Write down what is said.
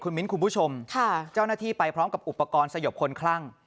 มิ้นคุณผู้ชมเจ้าหน้าที่ไปพร้อมกับอุปกรณ์สยบคนคลั่ง